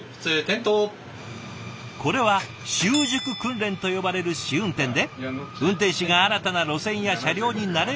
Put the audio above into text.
これは習熟訓練と呼ばれる試運転で運転士が新たな路線や車両に慣れるためのもの。